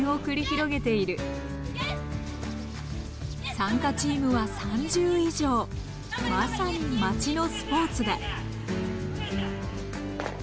参加チームは３０以上まさに町のスポーツだ。